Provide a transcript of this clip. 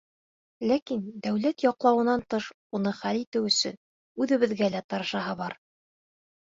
Ләкин, дәүләт яҡлауынан тыш, уны хәл итеү өсөн үҙебеҙгә лә тырышаһы бар.